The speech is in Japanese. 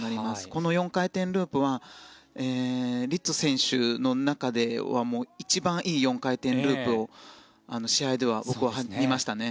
この４回転ループはリッツォ選手の中では一番いい４回転ループが試合では見ましたね。